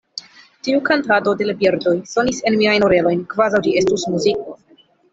Tiu kantado de la birdoj sonis en miajn orelojn, kvazaŭ ĝi estus muziko.